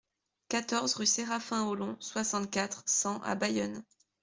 quatorze rue Séraphin Haulon, soixante-quatre, cent à Bayonne